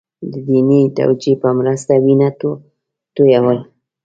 د دیني توجیه په مرسته وینه تویول.